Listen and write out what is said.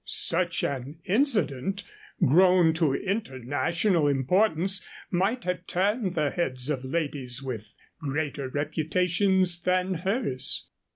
Such an incident, grown to international importance, might have turned the heads of ladies with greater reputations than hers.